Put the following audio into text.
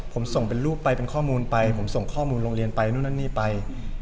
ผมส่งเป็นรูปไปเป็นข้อมูลไปผมส่งข้อมูลโรงเรียนไปนู่นนั่นนี่ไป